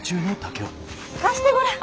貸してごらん！